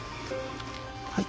はい。